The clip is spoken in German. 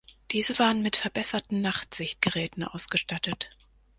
Diese waren mit verbesserten Nachtsichtgeräten ausgestattet.